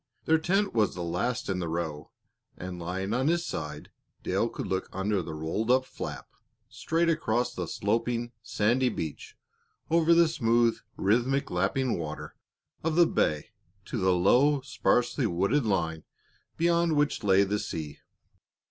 Their tent was the last in the row, and lying on his side, Dale could look under the rolled up flap straight across the sloping, sandy beach, over the smooth, rhythmic lapping water of the bay to the low, sparsely wooded line beyond which lay the sea.